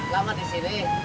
lama di sini